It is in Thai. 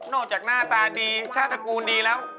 จากหน้าตาดีชาติตระกูลดีแล้ว